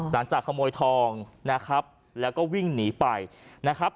หลังจากขโมยทองนะครับแล้วก็วิ่งหนีไปนะครับ